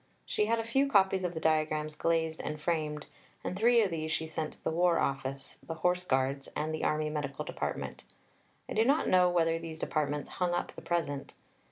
She had a few copies of the diagrams glazed and framed, and three of these she sent to the War Office, the Horse Guards, and the Army Medical Department. I do not know whether these Departments hung up the present.